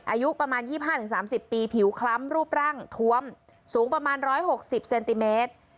อายุประมาณ๒๕๓๐ปีผิวคล้ำรูปร่างทวมสูงประมาณ๑๖๐เซนติเมตร